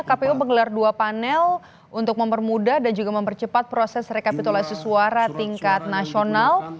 kpu menggelar dua panel untuk mempermudah dan juga mempercepat proses rekapitulasi suara tingkat nasional